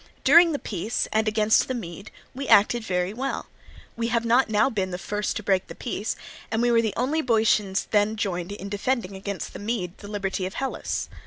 During the peace, and against the Mede, we acted well: we have not now been the first to break the peace, and we were the only Boeotians who then joined in defending against the Mede the liberty of Hellas.